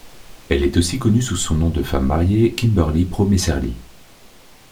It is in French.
Elle est aussi connue sous son nom de femme mariée, Kimberly Po-Messerli.